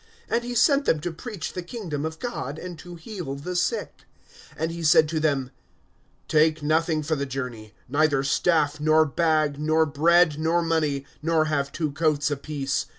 (2)And he sent them to preach the kingdom of God, and to heal the sick. (3)And he said to them: Take nothing for the journey, neither staff, nor bag, nor bread, nor money, nor have two coats apiece.